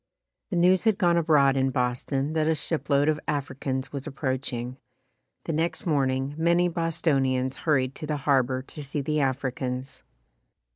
The news had gone abroad in Boston that a shipload of Africans was approaching. The next morning many Bostonians hurried to the harbor to see the Africans.